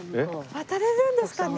渡れるんですかね？